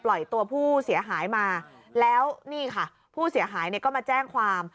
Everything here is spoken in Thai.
ตัวผู้เสียหายมาแล้วนี่ค่ะผู้เสียหายเนี่ยก็มาแจ้งความ